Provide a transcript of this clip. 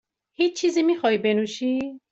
هیچ چیزی میخواهی بنوشی؟